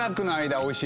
おいしい！